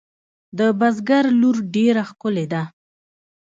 د بزگر لور ډېره ښکلې ده.